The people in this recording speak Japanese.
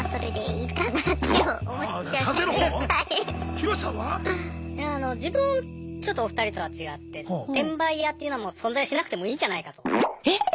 ヒロシさんは？いや自分ちょっとお二人とは違って転売ヤーっていうのはもう存在しなくてもいいんじゃないかと。